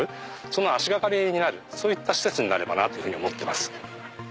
その足掛かりになる施設になればなというふうに思ってます。